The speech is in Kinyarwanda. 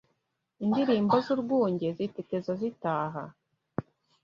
Indilimbo z’urwunge Ziteteza zitaha